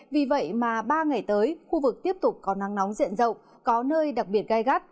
vì vậy mà ba ngày tới khu vực tiếp tục có nắng nóng diện rộng có nơi đặc biệt gai gắt